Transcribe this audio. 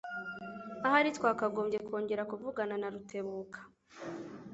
Ahari twakagombye kongera kuvugana na Rutebuka.